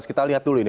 kita lihat dulu ini